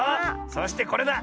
そしてこれだ。